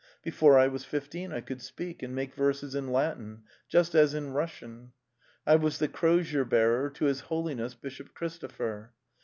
Before I was fifteen I could speak and make verses in Latin, just as in Russian. I was the crosier bearer to his Holiness Bishop Christo pher.